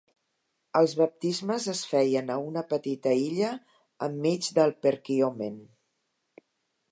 Els baptismes es feien a una petita illa enmig del Perkiomen.